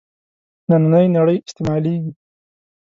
نننۍ نړۍ استعمالېږي.